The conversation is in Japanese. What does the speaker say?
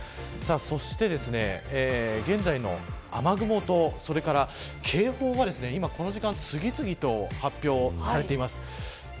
そして現在の雨雲と警報が、この時間次々と発表されています。